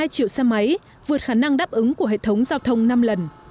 hai triệu xe máy vượt khả năng đáp ứng của hệ thống giao thông năm lần